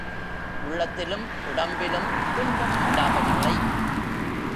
உள்ளத்திலும், உடம்பிலும் துன்பம் உண்டாகவில்லை.